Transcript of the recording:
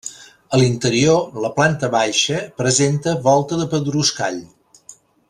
A l'interior, la planta baixa presenta volta de pedruscall.